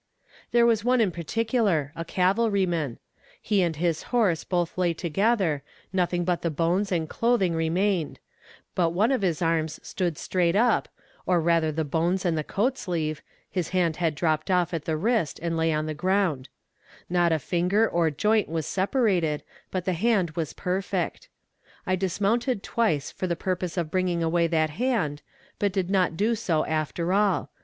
There was one in particular a cavalryman: he and his horse both lay together, nothing but the bones and clothing remained; but one of his arms stood straight up, or rather the bones and the coatsleeve, his hand had dropped off at the wrist and lay on the ground; not a finger or joint was separated, but the hand was perfect. I dismounted twice for the purpose of bringing away that hand, but did not do so after all.